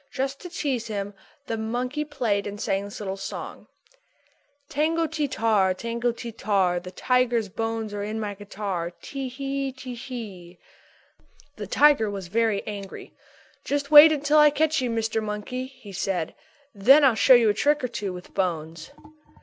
Just to tease him the monkey played and sang this little song: "Tango ti tar, tango ti tar, The tiger's bones are in my guitar. Tee hee, Tee hee." The tiger was very angry. "Just wait until I catch you, Mr. Monkey," he said. "Then I'll show you a trick or two with bones."